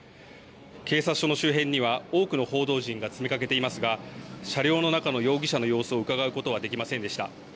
警察署の周辺には多くの報道陣が詰めかけていますが車両の中の容疑者の様子をうかがうことはできませんでした。